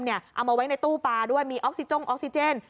เอามาไว้ในตู้ปลาด้วยมีออกซิจ้งออกซิเจน